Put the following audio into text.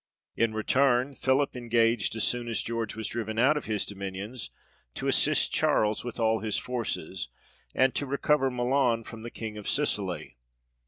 In return, Philip engaged as soon as George was driven out of his dominions, to assist Charles with all his forces, and to recover Milan from the King of Sicily.